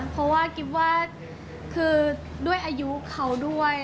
เพราะว่ากิ๊บว่าคือด้วยอายุเขาด้วย